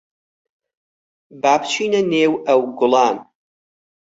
با بچینە نێو ئەو گوڵان.